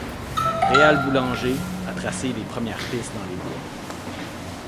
Réal Boulanger a tracé les premières pistes dans les bois.